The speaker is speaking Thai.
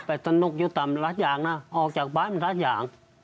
ไปสนุกอยู่ตามรถยางนะออกจากบ้านมันรถยาง